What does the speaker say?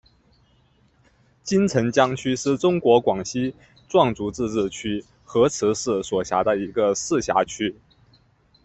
金城江区是中国广西壮族自治区河池市所辖的一个市辖区。